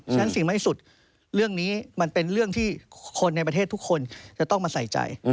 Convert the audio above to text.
ฉะนั้นสิ่งไม่สุดเรื่องนี้มันเป็นเรื่องที่คนในประเทศทุกคนจะต้องมาใส่ใจ